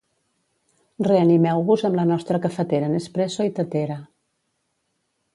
Reanimeu-vos amb la nostra cafetera Nespresso i tetera.